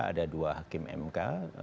ada dua hakim mk